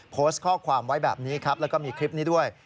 โพสต์ข้อความไว้แบบนี้ครับแล้วก็มีคลิปนี้ด้วย